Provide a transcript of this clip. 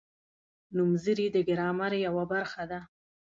نومځري د ګرامر یوه برخه ده.